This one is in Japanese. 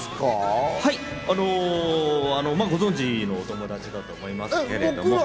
ご存じのお友達だと思います。